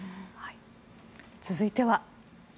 続いては。